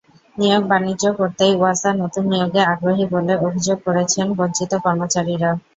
নিয়োগ-বাণিজ্য করতেই ওয়াসা নতুন নিয়োগে আগ্রহী বলে অভিযোগ করেছেন বঞ্চিত কর্মচারীরা।